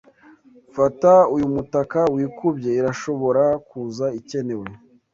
Fata uyu mutaka wikubye. Irashobora kuza ikenewe.